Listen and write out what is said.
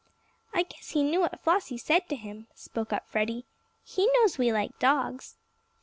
"I guess he knew what Flossie said to him," spoke up Freddie. "He knows we like dogs."